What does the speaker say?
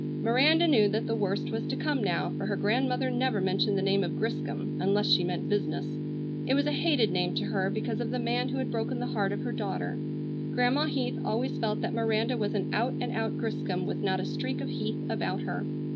Miranda knew that the worst was to come now, for her grandmother never mentioned the name of Griscom unless she meant business. It was a hated name to her because of the man who had broken the heart of her daughter. Grandma Heath always felt that Miranda was an out and out Griscom with not a streak of Heath about her.